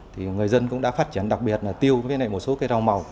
thì người dân cũng đã phát triển đặc biệt là tiêu cái này một số cây rau màu